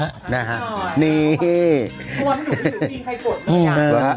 มันถูกถูกถูกมีใครกดอย่างกว่า